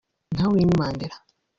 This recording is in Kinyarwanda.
“Nka Winnie Mandela